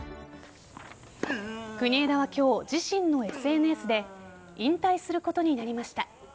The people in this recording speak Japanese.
国枝は今日、自身のＳＮＳで引退することになりました。